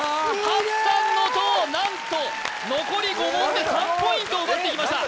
ハッサンの塔何と残り５問で３ポイント奪ってきました